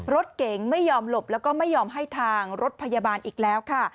รถเก๋งไม่ยอมหลบแล้วก็ไม่ยอมให้ทางรถพยาบาลอีกแล้วค่ะ